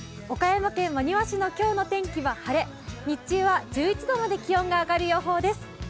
岡山県真庭市の今日の天気は晴れ日中は１１度まで気温が上がる予報です。